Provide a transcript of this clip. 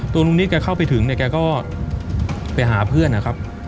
ตัวลุงศักดิ์นี่แกเข้าไปถึงเนี่ยแกก็ไปหาเพื่อนอะครับ